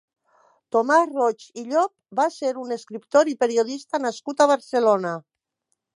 Tomàs Roig i Llop va ser un escriptor i periodista nascut a Barcelona.